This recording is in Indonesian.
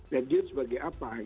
dan dia itu sebagai apa